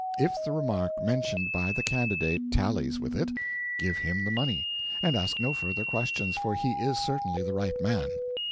If the remark mentioned by the candidate tallies with it, give him the money, and ask no further questions, for he is certainly the right man.